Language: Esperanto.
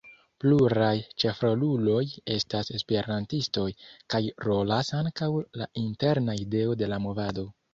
Pluraj ĉefroluloj estas esperantistoj, kaj rolas ankaŭ la interna ideo de la movado.